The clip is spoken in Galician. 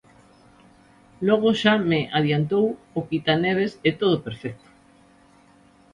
Logo xa me adiantou o quitaneves e todo perfecto.